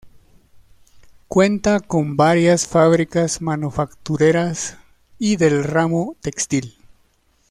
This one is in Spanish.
Cuenta con varias fábricas manufactureras y del ramo textil.